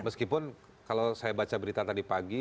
meskipun kalau saya baca berita tadi pagi